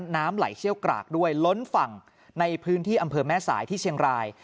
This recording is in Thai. น้ำไหลเชี่ยวกรากด้วยล้นฝั่งในพื้นที่อำเภอแม่สายที่เชียงราย